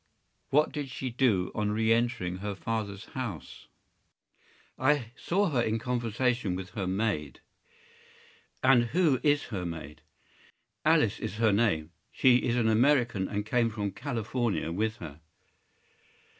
What did she do on re entering her father’s house?” “I saw her in conversation with her maid.” “And who is her maid?” “Alice is her name. She is an American, and came from California with her.